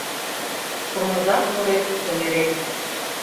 Курмызак нурет — тумерет.